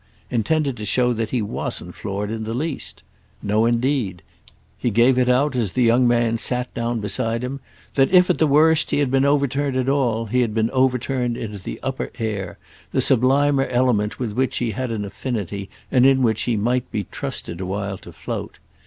intended to show that he wasn't floored in the least. No indeed; he gave it out, as the young man sat down beside him, that if, at the worst, he had been overturned at all, he had been overturned into the upper air, the sublimer element with which he had an affinity and in which he might be trusted a while to float.